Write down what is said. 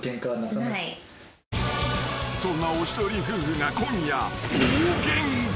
［そんなおしどり夫婦が今夜大ゲンカ］